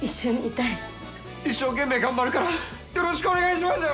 一生懸命頑張るからよろしくお願いします！